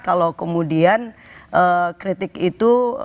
kalau kemudian kritik itu